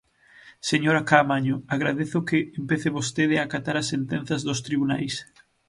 Señora Caamaño, agradezo que empece vostede a acatar as sentenzas dos tribunais.